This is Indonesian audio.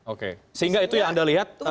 oke sehingga itu yang anda lihat